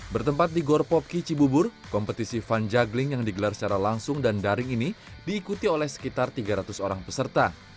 bertempat di gorpopki cibubur kompetisi fun juggling yang digelar secara langsung dan daring ini diikuti oleh sekitar tiga ratus orang peserta